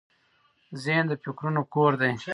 ذهن د فکرونو کور دی.